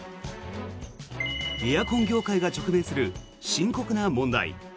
エアコン業界が直面する深刻な問題。